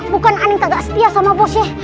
bukan ane tak setia sama bosnya